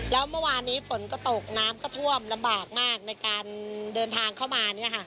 แล้วเมื่อวานนี้ฝนก็ตกน้ำก็ท่วมลำบากมากในการเดินทางเข้ามา